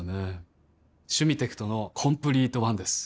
「シュミテクトのコンプリートワン」です